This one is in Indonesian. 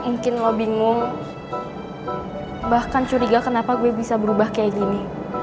mungkin lo bingung bahkan curiga kenapa gue bisa berubah kayak gini